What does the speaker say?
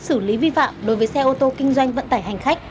xử lý vi phạm đối với xe ô tô kinh doanh vận tải hành khách